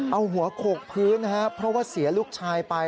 เอาหัวโขกพื้นนะครับเพราะว่าเสียลูกชายไป